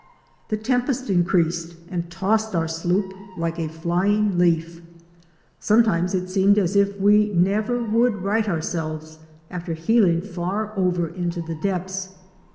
The tempest increased and tossed our sloop like a flying leaf. Sometimes it seemed as A WOMAN'S EXPERIENCES IN VENEZUELA. 75 if we never would right ourselves after heeling far over into the depths.